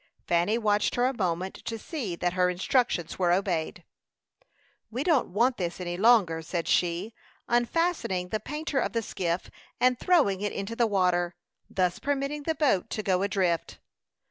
Fanny watched her a moment to see that her instructions were obeyed. "We don't want this any longer," said she, unfastening the painter of the skiff and throwing it into the water, thus permitting the boat to go adrift.